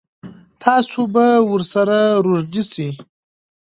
تاسو به ورسره روږدي سئ.